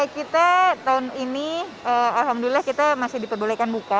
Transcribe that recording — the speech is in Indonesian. kita tahun ini alhamdulillah kita masih diperbolehkan buka